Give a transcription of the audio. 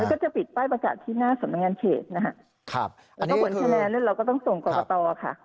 แล้วก็จะปิดป้ายประกาศที่หน้าสำนักงานเขตนะฮะครับอันนี้คือแล้วก็ต้องส่งกรกตรค่ะ